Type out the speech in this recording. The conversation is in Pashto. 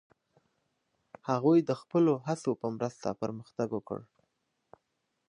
هغوی د خپلو هڅو په مرسته پرمختګ وکړ.